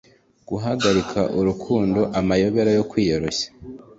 guhagarika urukundo, amayobera yo kwiyoroshya